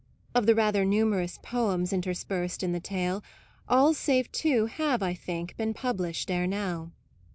Of the rather numerous poems interspersed in the tale, all save two have, I think, been pub lished ere now.